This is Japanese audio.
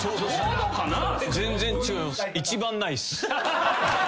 全然違います。